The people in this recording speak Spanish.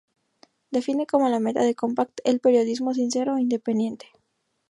Define como la meta de Compact el periodismo sincero e independiente.